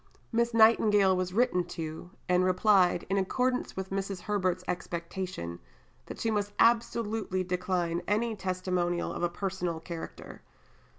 Miss Nightingale was written to, and replied, in accordance with Mrs. Herbert's expectation, that she must absolutely decline any testimonial of a personal character.